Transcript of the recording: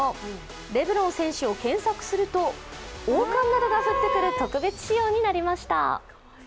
レブロン選手を検索すると王冠などが降ってくる特別仕様となりました。